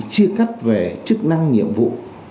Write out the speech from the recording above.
chia cắt về chức năng nhiệm vụ